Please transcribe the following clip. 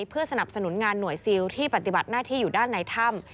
เพื่อสนับสนุนงานหน่วยซิลที่ปฏิบัติหน้าที่อยู่ด้านในถ้ำ